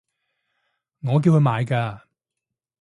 我叫佢買㗎